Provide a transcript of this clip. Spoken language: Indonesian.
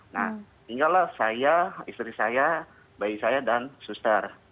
nah tinggal lah saya istri saya bayi saya dan suter